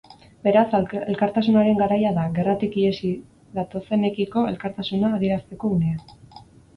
Beraz, elkartasunaren garaia da, gerratik ihesi datozenekiko elkartasuna adierazteko unea.